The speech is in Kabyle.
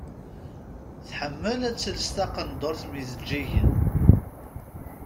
Tḥemmel ad tels taqendurt mm yijeǧǧigen.